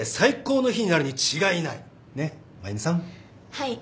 はい。